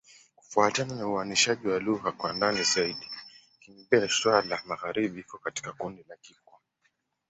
Kufuatana na uainishaji wa lugha kwa ndani zaidi, Kigbe-Xwla-Magharibi iko katika kundi la Kikwa.